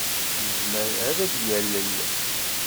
Yezmer ad d-yalel.